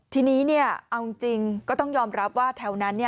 ทีนี้เอาจริงก็ต้องยอมรับว่าแถวนั้น